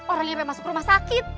orangnya sampai masuk rumah sakit